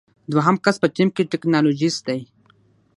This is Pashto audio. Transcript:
دوهم کس په ټیم کې ټیکنالوژیست دی.